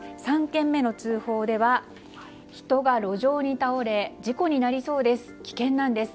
３件目の通報では人が路上に倒れ事故になりそうです。